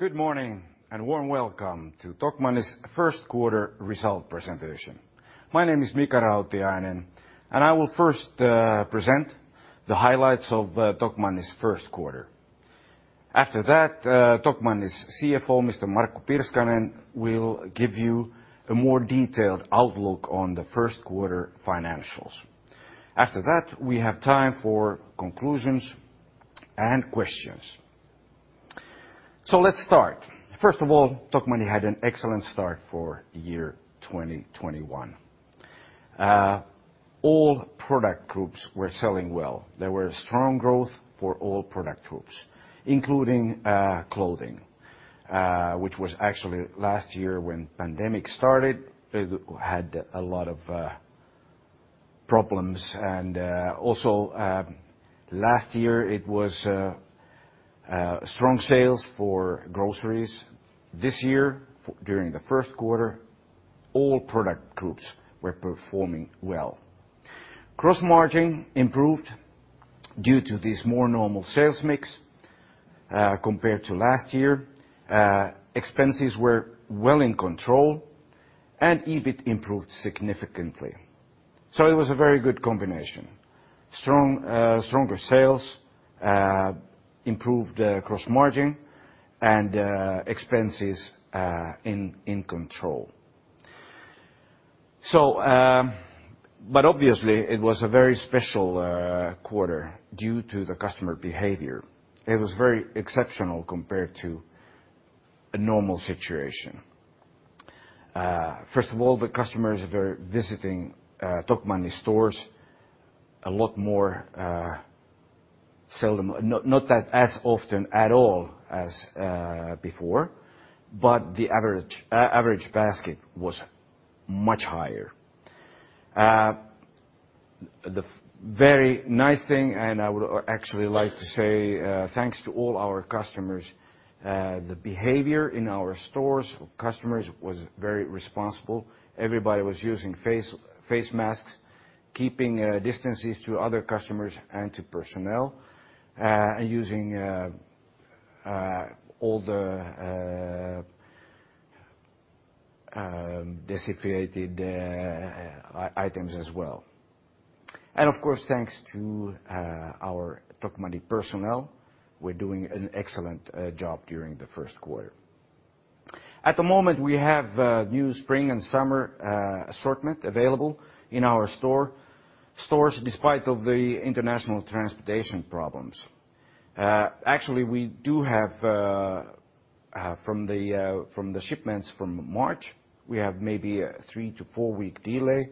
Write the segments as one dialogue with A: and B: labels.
A: Good morning, warm welcome to Tokmanni's Q1 Result Presentation. My name is Mika Rautiainen, and I will first present the highlights of Tokmanni's Q1. After that, Tokmanni's CFO, Mr. Markku Pirskanen, will give you a more detailed outlook on the Q1 financials. After that, we have time for conclusions and questions. Let's start. First of all, Tokmanni had an excellent start for the year 2021. All product groups were selling well. There were strong growth for all product groups, including clothing, which was actually last year when the pandemic started, it had a lot of problems. Also, last year, it was strong sales for groceries. This year, during the Q1, all product groups were performing well. Gross margin improved due to this more normal sales mix compared to last year. Expenses were well in control, and EBIT improved significantly. It was a very good combination. Stronger sales, improved gross margin, and expenses in control. Obviously, it was a very special quarter due to the customer behavior. It was very exceptional compared to a normal situation. First of all, the customers were visiting Tokmanni stores a lot more seldom, not as often at all as before, but the average basket was much higher. The very nice thing, and I would actually like to say thanks to all our customers, the behavior in our stores of customers was very responsible. Everybody was using face masks, keeping distances to other customers and to personnel, using all the disinfectant items as well. Of course, thanks to our Tokmanni personnel, were doing an excellent job during the Q1. At the moment, we have a new spring and summer assortment available in our stores despite of the international transportation problems. Actually, we do have from the shipments from March, we have maybe a three to four-week delay.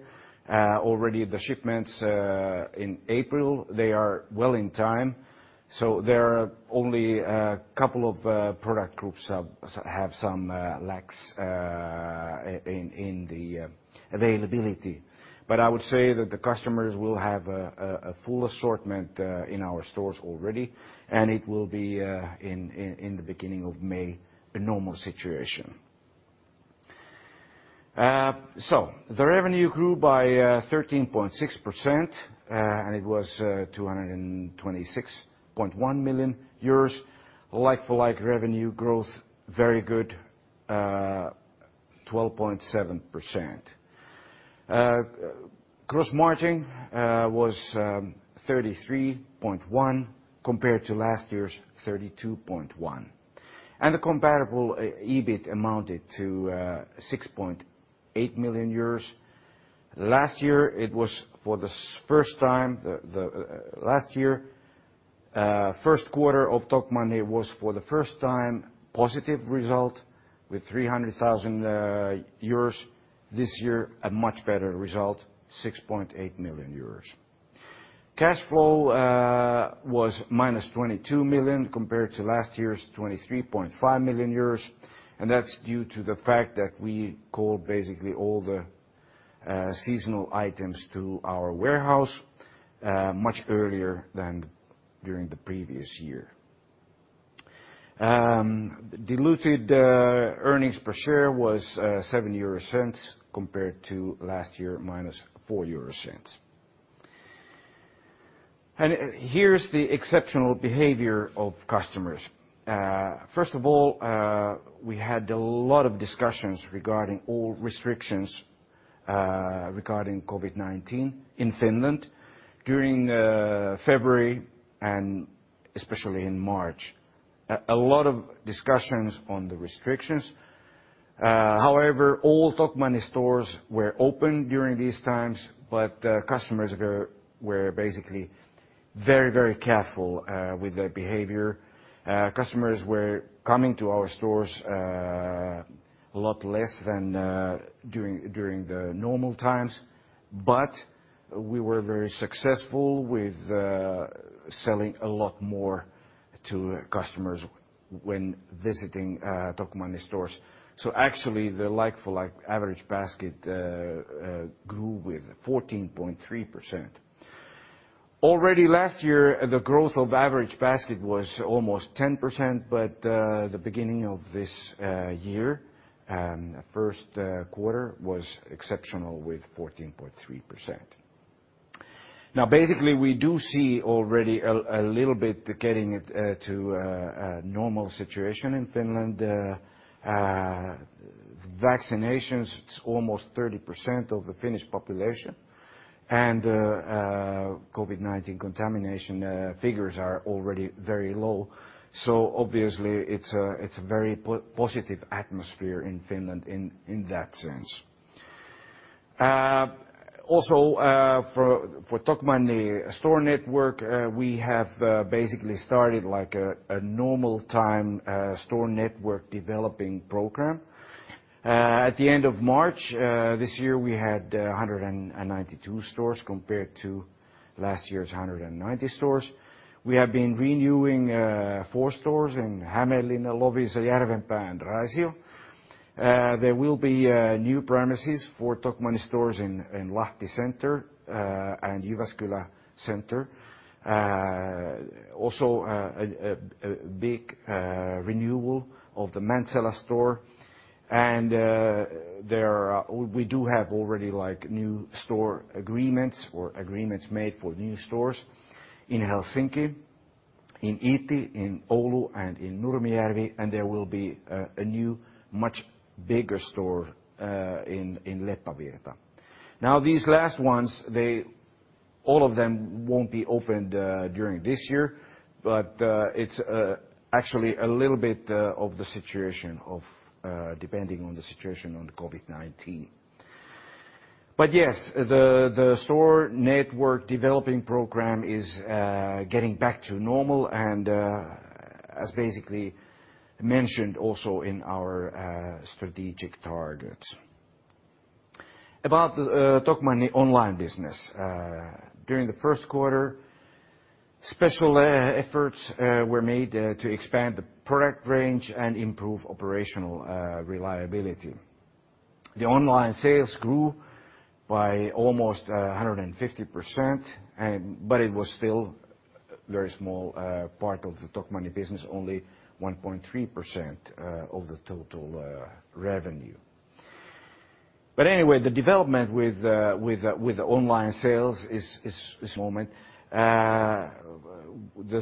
A: Already the shipments in April, they are well in time. There are only a couple of product groups have some lacks in the availability. I would say that the customers will have a full assortment in our stores already, and it will be in the beginning of May, a normal situation. The revenue grew by 13.6%, and it was 226.1 million euros. Like-for-like revenue growth, very good 12.7%. Gross margin was 33.1% compared to last year's 32.1%. The comparable EBIT amounted to 6.8 million euros. Last year, Q1 of Tokmanni was for the first time positive result with 300,000 euros. This year, a much better result, 6.8 million euros. Cash flow was minus 22 million compared to last year's 23.5 million euros. That's due to the fact that we call basically all the seasonal items to our warehouse much earlier than during the previous year. Diluted earnings per share was 0.07 compared to last year, minus 0.04. Here's the exceptional behavior of customers. First of all, we had a lot of discussions regarding all restrictions regarding COVID-19 in Finland during February and especially in March. A lot of discussions on the restrictions. However, all Tokmanni stores were open during these times, but customers were basically very careful with their behavior. Customers were coming to our stores a lot less than during the normal times, but we were very successful with selling a lot more to customers when visiting Tokmanni stores. Actually, the like-for-like average basket grew with 14.3%. Last year, the growth of average basket was almost 10%, the beginning of this year, Q1, was exceptional with 14.3%. Basically, we do see already a little bit getting to a normal situation in Finland. Vaccinations, it's almost 30% of the Finnish population, COVID-19 contamination figures are already very low. Obviously it's a very positive atmosphere in Finland in that sense. For Tokmanni store network, we have basically started a normal time store network developing program. At the end of March this year, we had 192 stores compared to last year's 190 stores. We have been renewing four stores in Hämeenlinna, Loviisa, Järvenpää, and Raisio. There will be new premises for Tokmanni stores in Lahti Center, and Jyväskylä Center. A big renewal of the Mäntsälä store. We do have already new store agreements or agreements made for new stores in Helsinki, in Iitti, in Oulu, and in Nurmijärvi, and there will be a new much bigger store in Leppävirta. These last ones, all of them won't be opened during this year, but it's actually a little bit of depending on the situation on COVID-19. The store network developing program is getting back to normal, and as basically mentioned also in our strategic targets. About Tokmanni online business. During the Q1, special efforts were made to expand the product range and improve operational reliability. The online sales grew by almost 150%, but it was still very small part of the Tokmanni business, only 1.3% of the total revenue. The development with the online sales is moving. The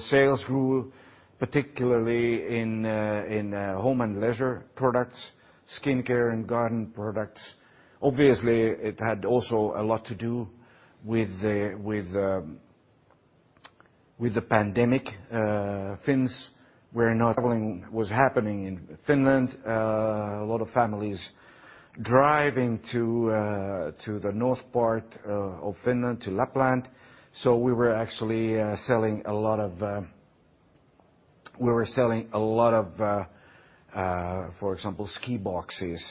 A: sales grew particularly in home and leisure products, skincare and garden products. Obviously, it had also a lot to do with the pandemic. Finns were not traveling, was happening in Finland. A lot of families driving to the north part of Finland to Lapland. We were actually selling a lot of, for example, ski boxes.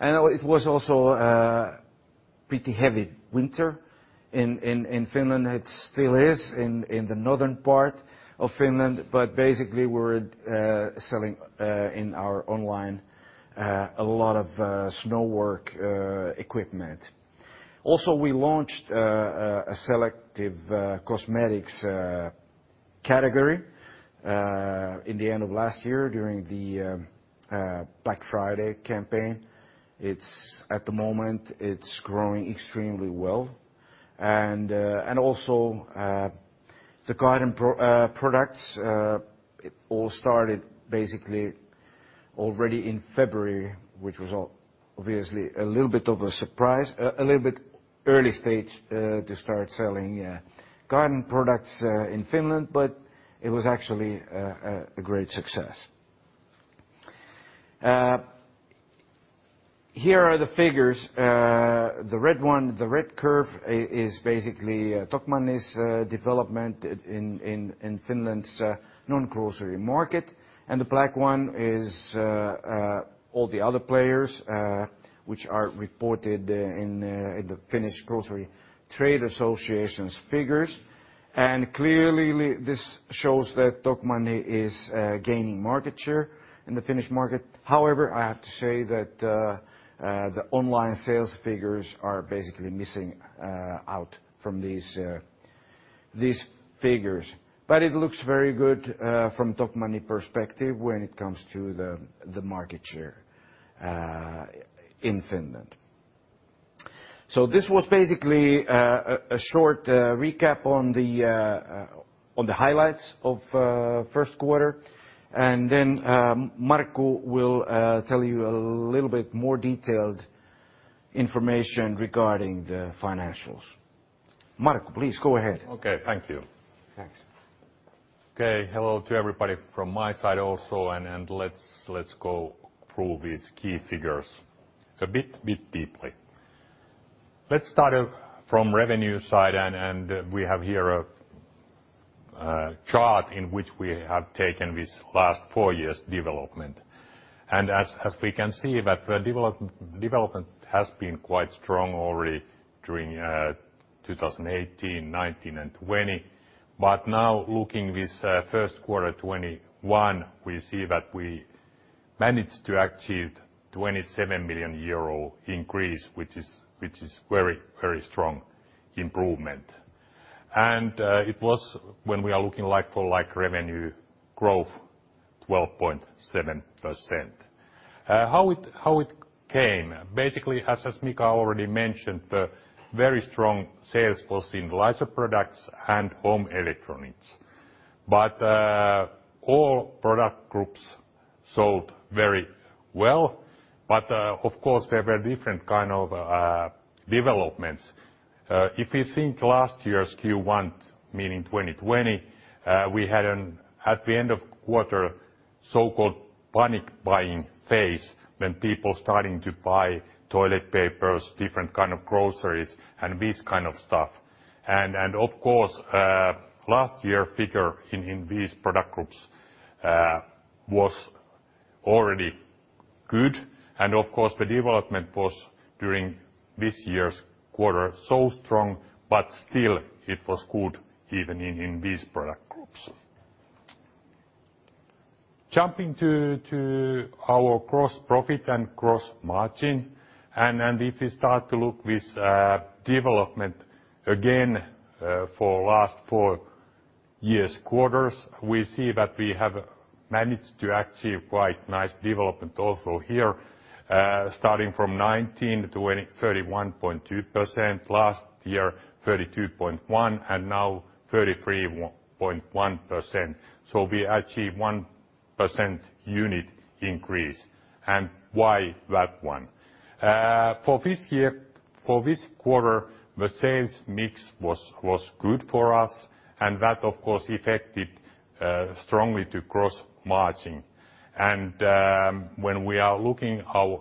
A: It was also pretty heavy winter in Finland. It still is in the northern part of Finland. Basically, we're selling in our online a lot of snowwork equipment. Also, we launched a selective cosmetics category in the end of last year during the Black Friday campaign. At the moment, it's growing extremely well. Also, the garden products all started basically already in February, which was obviously a little bit of a surprise, a little bit early stage, to start selling garden products in Finland. It was actually a great success. Here are the figures. The red one, the red curve, is basically Tokmanni's development in Finland's non-grocery market. The black one is all the other players, which are reported in the Finnish Grocery Trade Association's figures. Clearly, this shows that Tokmanni is gaining market share in the Finnish market. However, I have to say that the online sales figures are basically missing out from these figures. It looks very good from Tokmanni perspective when it comes to the market share in Finland. This was basically a short recap on the highlights of Q1, and then Markku will tell you a little bit more detailed information regarding the financials. Markku, please go ahead.
B: Okay. Thank you.
A: Thanks.
B: Okay. Hello to everybody from my side also, let's go through these key figures a bit deeply. Let's start from revenue side, we have here a chart in which we have taken this last four years' development. As we can see that the development has been quite strong already during 2018, 2019, and 2020. Now looking this Q1 2021, we see that we managed to achieve 27 million euro increase, which is very strong improvement. It was when we are looking like-for-like revenue growth 12.7%. How it came? Basically, as Mika Rautiainen already mentioned, very strong sales was in leisure products and home electronics. All product groups sold very well. Of course, there were different kind of developments. If you think last year's Q1, meaning 2020, we had at the end of quarter, so-called panic buying phase, when people starting to buy toilet papers, different kind of groceries, and this kind of stuff. Of course, last year figure in these product groups was already good, and of course the development was, during this year's quarter, so strong, but still it was good even in these product groups. Jumping to our gross profit and gross margin, if we start to look this development again, for last four years' quarters, we see that we have managed to achieve quite nice development also here. Starting from 2019, 31.2%, last year 32.1%, now 33.1%. We achieve 1% unit increase. Why that one? For this quarter, the sales mix was good for us, and that, of course, affected strongly to gross margin. When we are looking our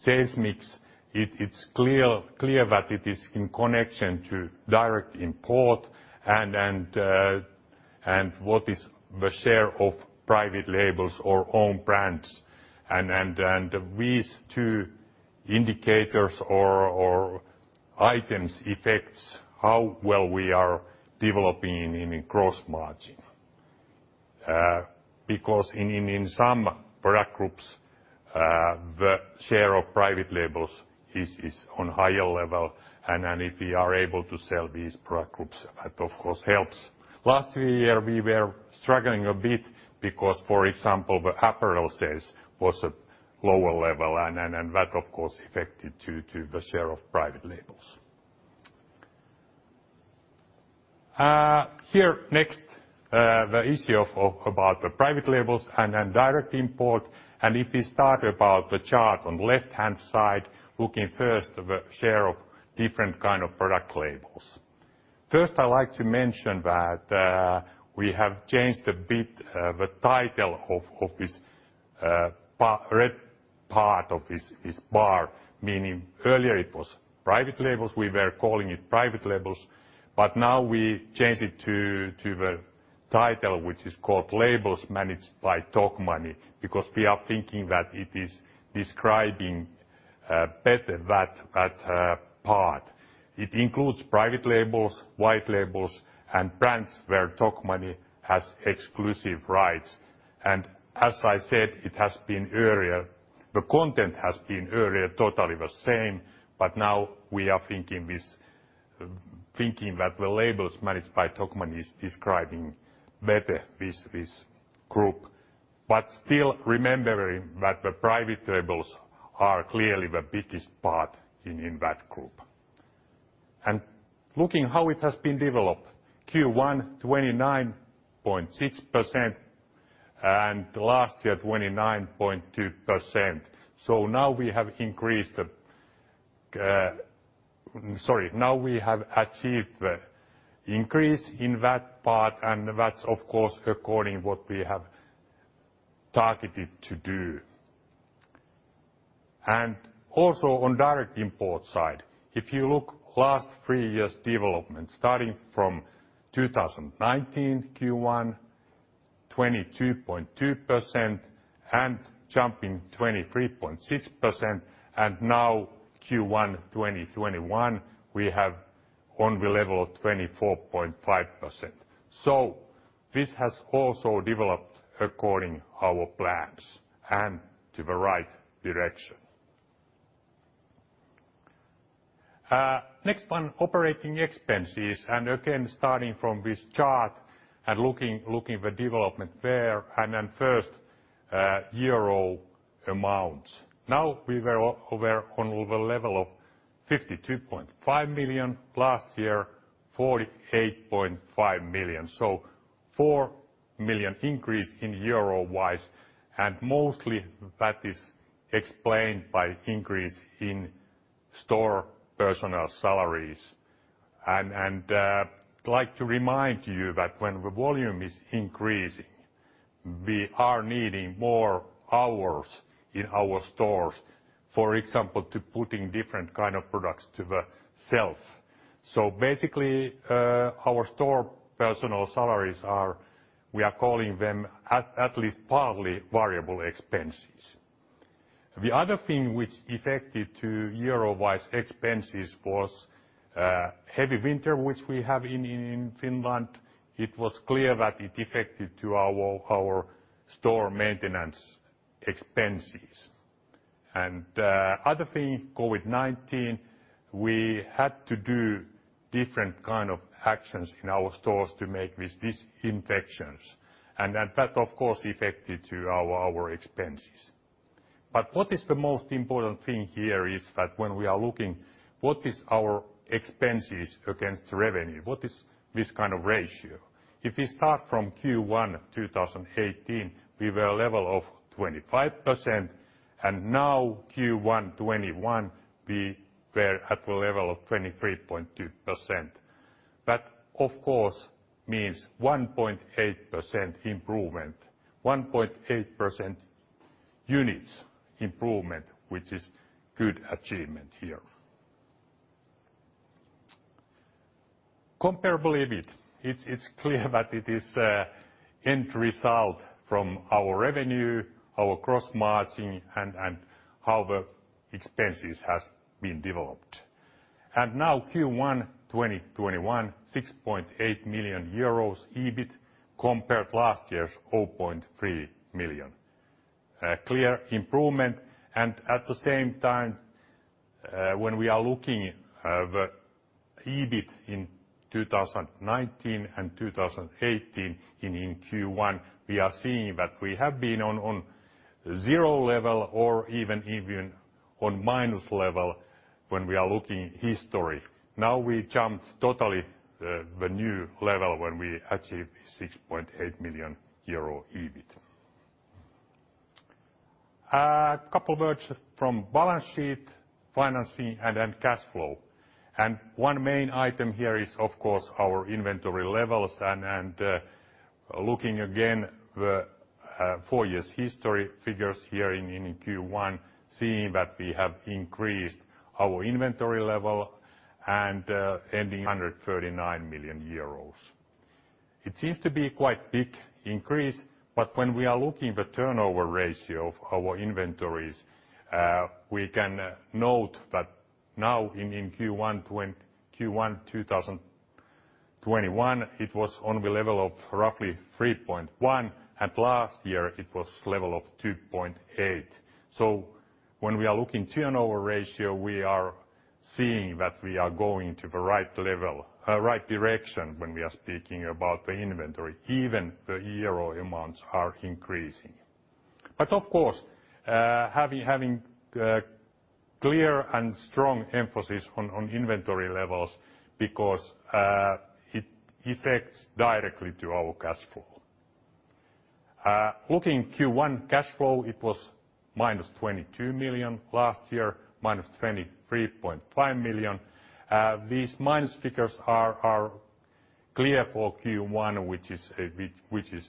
B: sales mix, it's clear that it is in connection to direct import, and what is the share of private labels or own brands. These two indicators or items affects how well we are developing in gross margin. In some product groups, the share of private labels is on higher level, and if we are able to sell these product groups, that of course helps. Last year, we were struggling a bit because, for example, the apparel sales was at lower level, and that of course affected to the share of private labels. Here next, the issue about the private labels and then direct import. If we start about the chart on left-hand side, looking first the share of different kind of product labels. First I'd like to mention that we have changed a bit the title of this red part of this bar, meaning earlier it was private labels. We were calling it private labels. Now we changed it to the title which is called Labels Managed by Tokmanni, because we are thinking that it is describing better that part. It includes private labels, white labels, and brands where Tokmanni has exclusive rights. As I said, the content has been earlier totally the same, but now we are thinking that the Labels Managed by Tokmanni is describing better this group. Still remembering that the private labels are clearly the biggest part in that group. Looking how it has been developed, Q1 29.6%, and last year 29.2%. Now we have increased the Sorry. Now we have achieved the increase in that part, that's of course according what we have targeted to do. Also on direct import side, if you look last three years' development, starting from 2019 Q1, 22.2%, jumping 23.6%, and now Q1 2021, we have on the level of 24.5%. This has also developed according our plans, and to the right direction. Next one, operating expenses, again starting from this chart and looking the development there, first EUR amounts. Now we were on the level of 52.5 million, last year 48.5 million. 4 million increase in euro-wise, and mostly that is explained by increase in store personnel salaries. Like to remind you that when the volume is increasing, we are needing more hours in our stores. For example, to putting different kind of products to the shelf. Basically, our store personnel salaries are, we are calling them at least partly variable expenses. The other thing which affected to euro-wise expenses was heavy winter which we have in Finland. It was clear that it affected to our store maintenance expenses. The other thing, COVID-19, we had to do different kind of actions in our stores to make with these infections. That, of course, affected too our expenses. What is the most important thing here is that when we are looking what is our expenses against revenue, what is this kind of ratio? If we start from Q1 2018, we were level of 25%, and now Q1 2021, we were at the level of 23.2%. That, of course, means 1.8% improvement. 1.8% units improvement, which is good achievement here. Comparable EBIT. It's clear that it is end result from our revenue, our gross margin, and how the expenses has been developed. Now Q1 2021, 6.8 million euros EBIT compared to last year's 0.3 million. A clear improvement. At the same time, when we are looking the EBIT in 2019 and 2018 in Q1, we are seeing that we have been on zero level or even on minus level when we are looking history. Now we jumped totally the new level when we achieve 6.8 million euro EBIT. A couple words from balance sheet, financing, and then cash flow. One main item here is, of course, our inventory levels. Looking again the four years history figures here in Q1, seeing that we have increased our inventory level and ending 139 million euros. It seems to be quite big increase, but when we are looking the turnover ratio of our inventories, we can note that now in Q1 2021, it was on the level of roughly 3.1, and last year it was level of 2.8. When we are looking turnover ratio, we are seeing that we are going to the right direction when we are speaking about the inventory, even the euro amounts are increasing. Of course, having clear and strong emphasis on inventory levels because it affects directly to our cash flow. Looking Q1 cash flow, it was -22 million. Last year, -23.5 million. These minus figures are clear for Q1, which is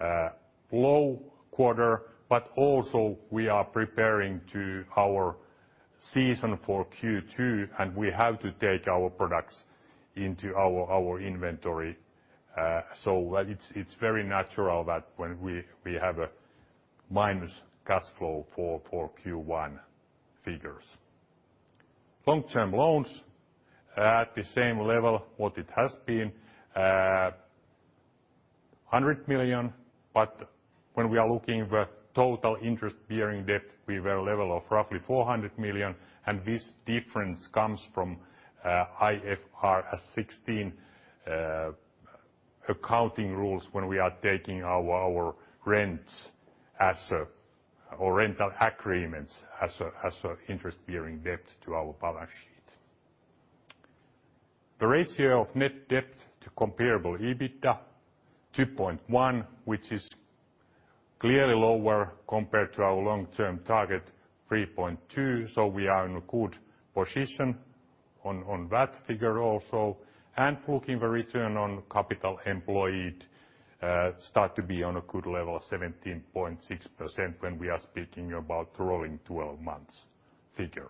B: a low quarter, but also we are preparing to our season for Q2, and we have to take our products into our inventory. It's very natural that when we have a minus cash flow for Q1 figures. Long-term loans, at the same level what it has been, 100 million, when we are looking the total interest-bearing debt, we were level of roughly 400 million, and this difference comes from IFRS 16 accounting rules when we are taking our rents or rental agreements as an interest-bearing debt to our balance sheet. The ratio of net debt to comparable EBITDA, 2.1, which is clearly lower compared to our long-term target, 3.2, we are in a good position on that figure also. Looking the return on capital employed start to be on a good level, 17.6%, when we are speaking about rolling 12 months figure.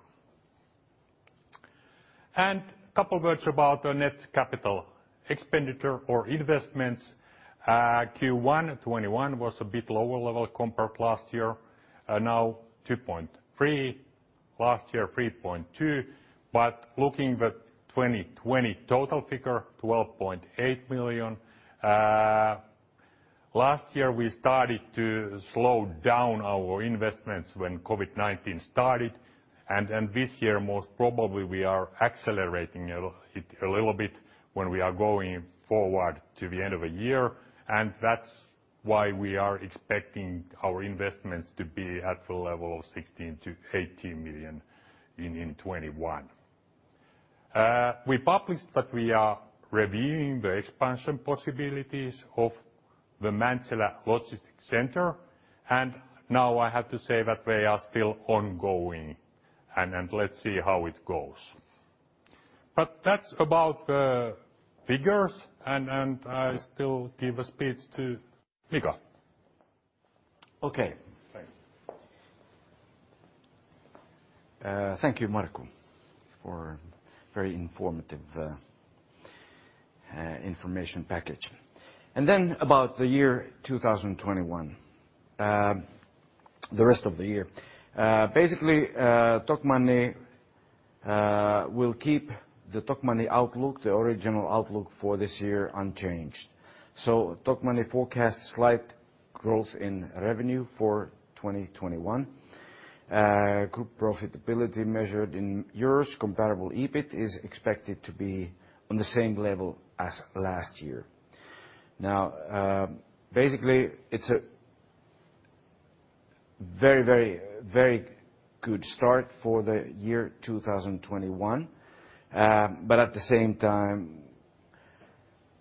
B: Couple words about the net capital expenditure or investments. Q1 2021 was a bit lower level compared to last year, now 2.3, last year 3.2. Looking the 2020 total figure, 12.8 million. Last year, we started to slow down our investments when COVID-19 started. This year, most probably, we are accelerating it a little bit when we are going forward to the end of the year. That's why we are expecting our investments to be at the level of 16 million-18 million in 2021. We published that we are reviewing the expansion possibilities of the Mäntsälä logistic center. Now I have to say that they are still ongoing. Let's see how it goes. That's about the figures. I still give a speech to Mika.
A: Okay, thanks. Thank you, Markku, for very informative information package. About the year 2021, the rest of the year. Basically, we'll keep the Tokmanni outlook, the original outlook for this year unchanged. Tokmanni forecasts slight growth in revenue for 2021. Group profitability measured in EUR comparable EBIT is expected to be on the same level as last year. Basically, it's a very good start for the year 2021. At the same time,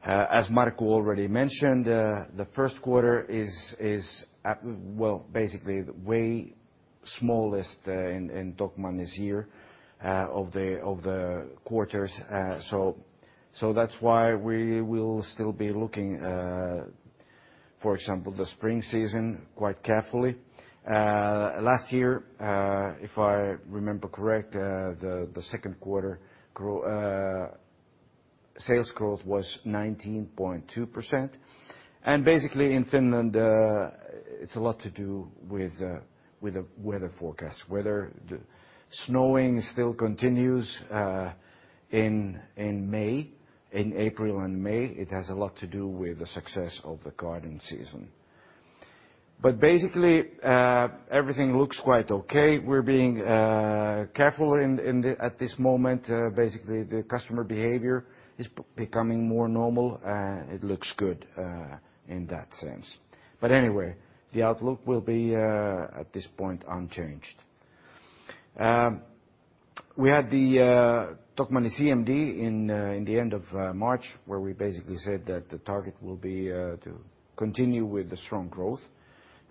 A: as Markku already mentioned, the Q1 is basically the way smallest in Tokmanni's year of the quarters. That's why we will still be looking, for example, the spring season quite carefully. Last year, if I remember correct, the Q2 sales growth was 19.2%. Basically in Finland, it's a lot to do with the weather forecast. Whether the snowing still continues in April and May, it has a lot to do with the success of the garden season. Basically, everything looks quite okay. We're being careful at this moment. Basically, the customer behavior is becoming more normal. It looks good in that sense. Anyway, the outlook will be, at this point, unchanged. We had the Tokmanni CMD in the end of March, where we basically said that the target will be to continue with the strong growth.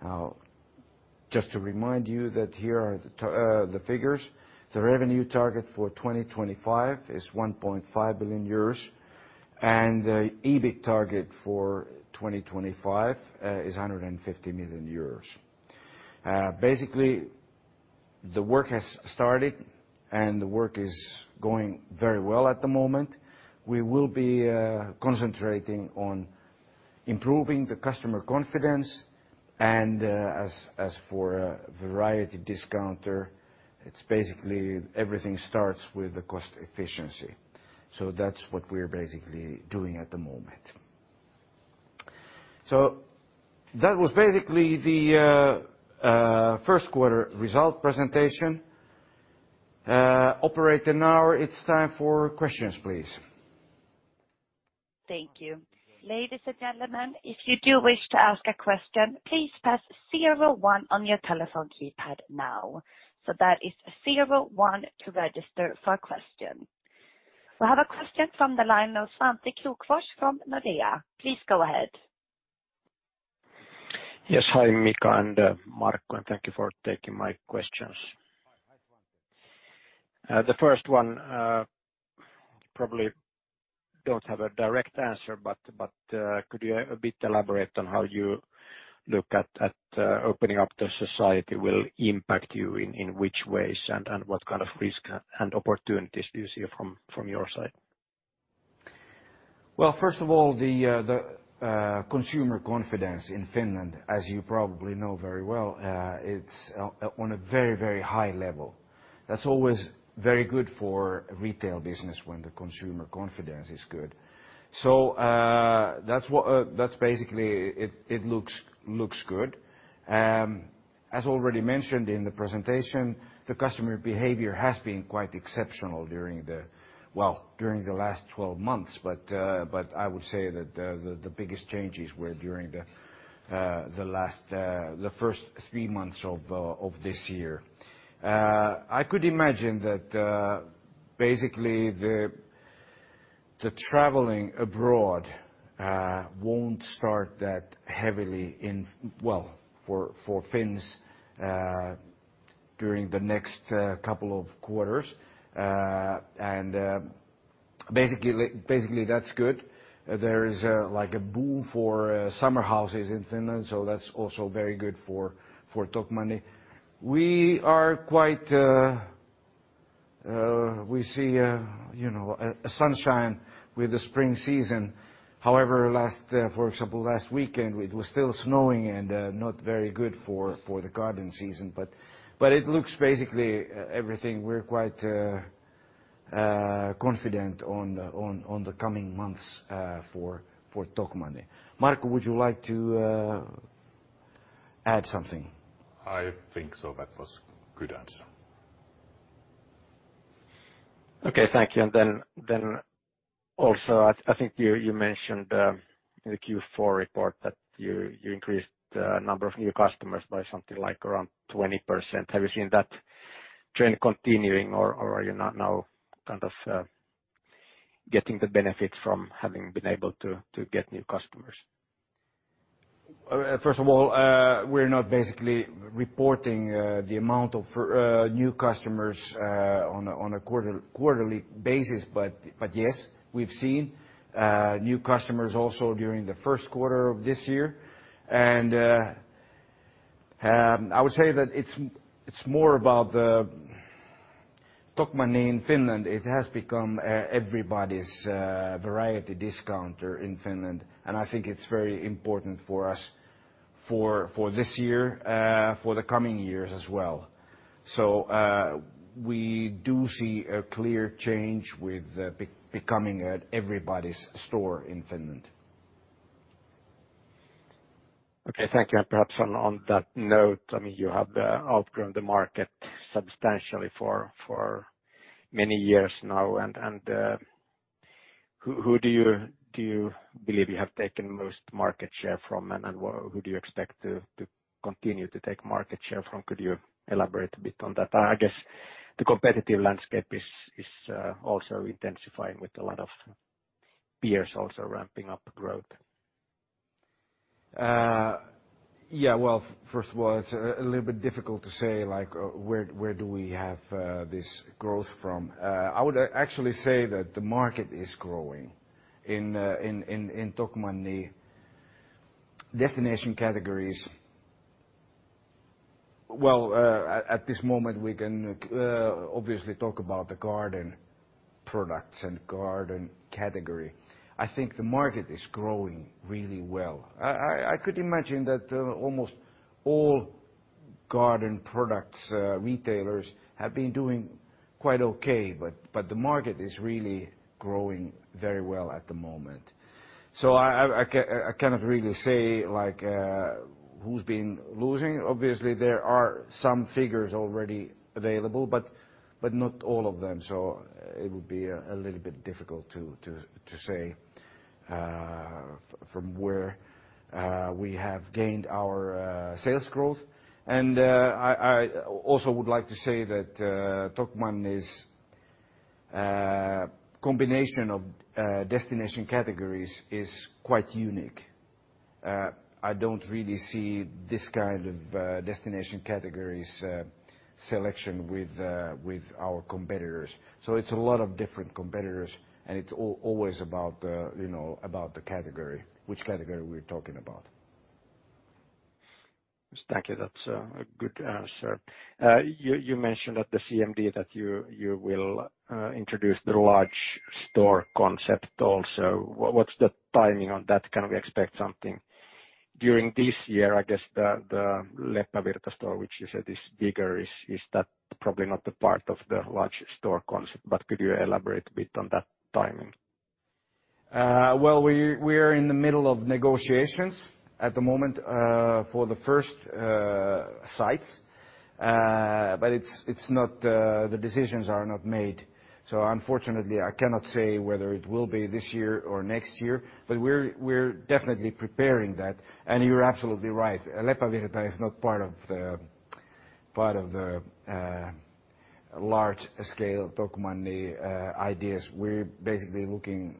A: Now, just to remind you that here are the figures. The revenue target for 2025 is 1.5 billion euros, and the EBIT target for 2025 is 150 million euros. Basically, the work has started, and the work is going very well at the moment. We will be concentrating on improving the customer confidence. As for a variety discounter, it's basically everything starts with the cost efficiency. That's what we're basically doing at the moment. That was basically the Q1 result presentation. Operator, now it's time for questions, please.
C: Thank you. Ladies and gentlemen, if you do wish to ask a question, please press zero one on your telephone keypad now. That is zero one to register for a question. We have a question from the line of Svante Krokfors from Nordea. Please go ahead.
D: Yes. Hi, Mika and Markku. Thank you for taking my questions.
A: Hi, Svante.
D: The first one, probably don't have a direct answer, could you a bit elaborate on how you look at opening up the society will impact you in which ways, and what kind of risk and opportunities do you see from your side?
A: Well, first of all, the consumer confidence in Finland, as you probably know very well, it's on a very high level. That's always very good for retail business when the consumer confidence is good. That's basically, it looks good. As already mentioned in the presentation, the customer behavior has been quite exceptional during the last 12 months. But I would say that the biggest changes were during the first three months of this year. I could imagine that basically, the traveling abroad won't start that heavily for Finns during the next couple of quarters. Basically, that's good. There is like a boom for summer houses in Finland, so that's also very good for Tokmanni. We see sunshine with the spring season. However, for example, last weekend, it was still snowing and not very good for the garden season. It looks basically everything we're quite confident on the coming months for Tokmanni. Markku, would you like to add something?
B: I think so. That was good answer.
D: Okay, thank you. Then also, I think you mentioned in the Q4 report that you increased the number of new customers by something like around 20%. Have you seen that trend continuing, or are you not now kind of getting the benefit from having been able to get new customers?
A: First of all, we're not basically reporting the amount of new customers on a quarterly basis. Yes, we've seen new customers also during the Q1 of this year. I would say that it's more about the Tokmanni in Finland. It has become everybody's variety discounter in Finland, and I think it's very important for us for this year, for the coming years as well. We do see a clear change with becoming everybody's store in Finland.
D: Okay, thank you. Perhaps on that note, you have outgrown the market substantially for many years now. Who do you believe you have taken the most market share from, and who do you expect to continue to take market share from? Could you elaborate a bit on that? I guess the competitive landscape is also intensifying with a lot of peers also ramping up growth.
A: Yeah. First of all, it's a little bit difficult to say, where do we have this growth from. I would actually say that the market is growing in Tokmanni destination categories. At this moment, we can obviously talk about the garden products and garden category. I think the market is growing really well. I could imagine that almost all garden products retailers have been doing quite okay. The market is really growing very well at the moment. I cannot really say who's been losing. Obviously, there are some figures already available. Not all of them. It would be a little bit difficult to say from where we have gained our sales growth. I also would like to say that Tokmanni's combination of destination categories is quite unique. I don't really see this kind of destination categories selection with our competitors. It's a lot of different competitors, and it's always about the category, which category we're talking about.
D: Thank you. That's a good answer. You mentioned at the CMD that you will introduce the large store concept also. What's the timing on that? Can we expect something during this year? I guess the Leppävirta store, which you said is bigger, is that probably not the part of the large store concept. Could you elaborate a bit on that timing?
A: We are in the middle of negotiations at the moment for the first sites. The decisions are not made, so unfortunately, I cannot say whether it will be this year or next year. We're definitely preparing that. You're absolutely right, Leppävirta is not part of the large scale Tokmanni ideas. We're basically looking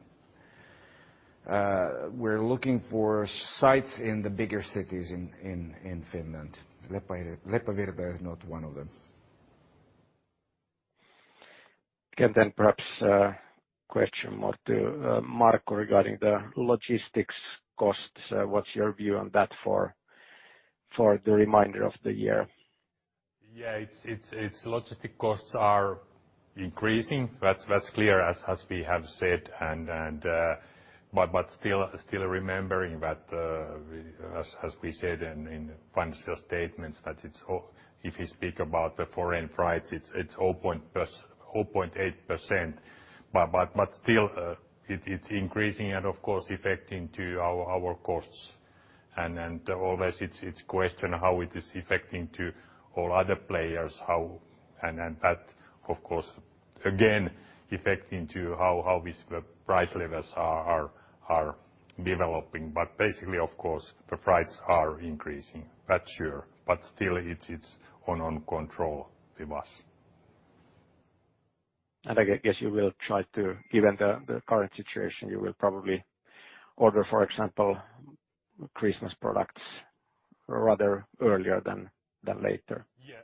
A: for sites in the bigger cities in Finland. Leppävirta is not one of them.
D: Okay. Perhaps a question more to Markku regarding the logistics costs. What's your view on that for the remainder of the year?
B: Yeah. Logistics costs are increasing. That's clear as we have said. Still remembering that, as we said in financial statements, that if you speak about the freight price, it's 0.8%. Still it's increasing and, of course, affecting to our costs. Always it's a question how it is affecting to all other players. That, of course, again, affecting to how these price levels are developing. Basically, of course, the prices are increasing. That's sure. Still it's under control with us.
D: I guess you will try to, given the current situation, you will probably order, for example, Christmas products rather earlier than later.
B: Yeah.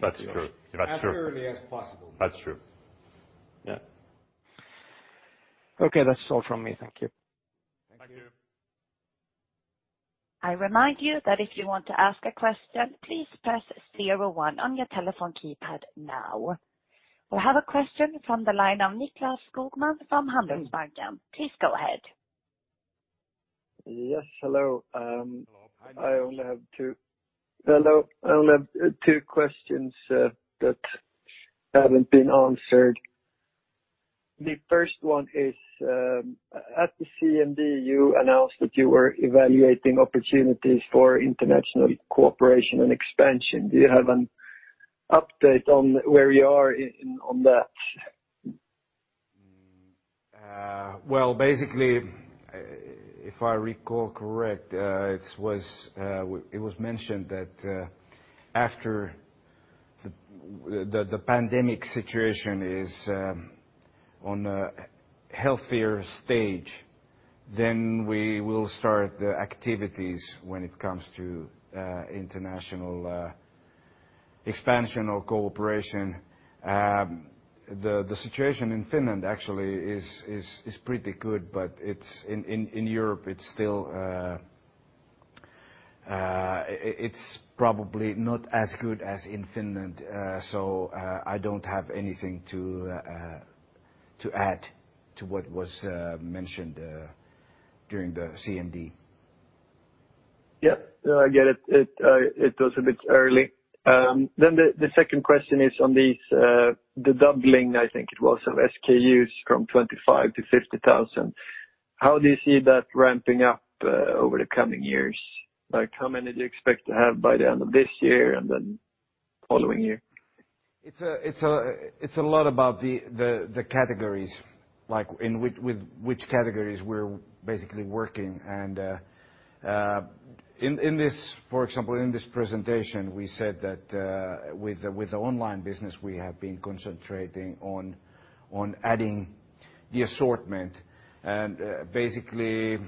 B: That's true.
A: As early as possible.
B: That's true.
D: Yeah. Okay, that's all from me. Thank you.
B: Thank you.
A: Thank you.
C: We have a question from the line of Nicklas Skogman from Handelsbanken. Please go ahead.
E: Yes. Hello.
A: Hello.
E: I only have two questions that haven't been answered. The first one is, at the CMD, you announced that you were evaluating opportunities for international cooperation and expansion. Do you have an update on where you are on that?
A: If I recall correct, it was mentioned that after the pandemic situation is on a healthier stage, then we will start the activities when it comes to international expansion or cooperation. The situation in Finland actually is pretty good. In Europe, it's probably not as good as in Finland. I don't have anything to add to what was mentioned during the CMD.
E: Yes, I get it. It was a bit early. The second question is on the doubling, I think it was, of SKUs from 25 to 50,000. How do you see that ramping up over the coming years? How many do you expect to have by the end of this year and then following year?
A: It's a lot about the categories, like with which categories we're basically working and, for example, in this presentation, we said that with the online business, we have been concentrating on adding the assortment. Basically,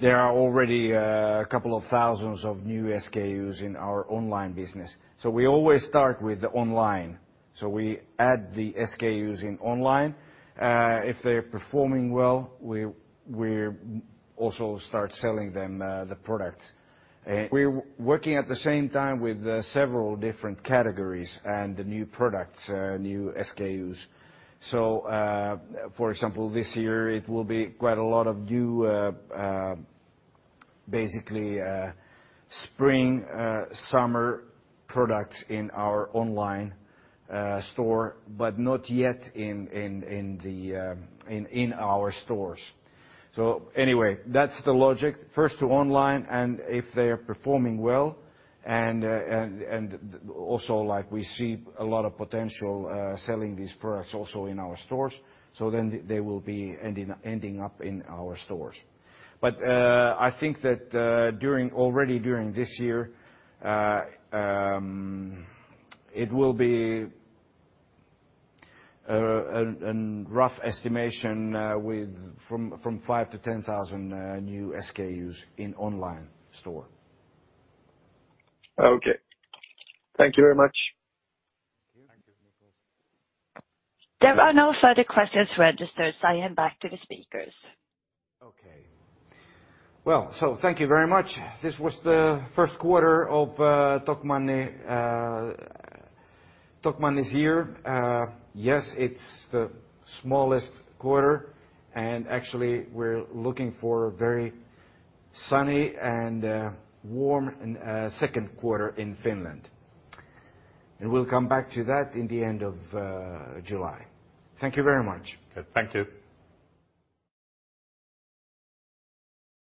A: there are already a couple of thousands of new SKUs in our online business. We always start with online. We add the SKUs in online. If they're performing well, we also start selling them the products. We're working at the same time with several different categories and the new products, new SKUs. For example, this year it will be quite a lot of new, basically spring/summer products in our online store, but not yet in our stores. Anyway, that's the logic. First to online, if they are performing well and, also we see a lot of potential selling these products also in our stores, so then they will be ending up in our stores. I think that already during this year, it will be a rough estimation with from 5-10,000 new SKUs in online store.
E: Okay. Thank you very much.
A: Thank you.
C: There are no further questions registered. I hand back to the speakers.
A: Okay. Well, thank you very much. This was the Q1 of Tokmanni's year. Yes, it's the smallest quarter, and actually we're looking for a very sunny and warm Q2 in Finland. We'll come back to that in the end of July. Thank you very much.
B: Good. Thank you.